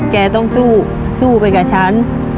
แกต้องสู้สู้ไปกับฉัน